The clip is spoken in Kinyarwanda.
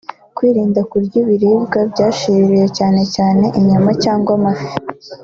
Kwirinda kurya ibiribwa byashiririye cyane cyane inyama cyanwa amafi;